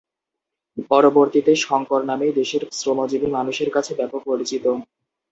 পরবর্তীতে 'শংকর' নামেই দেশের শ্রমজীবী মানুষের কাছে ব্যাপক পরিচিতি।